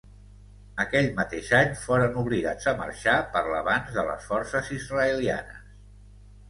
Aquell mateix any foren obligats a marxar per l'avanç de les forces israelianes.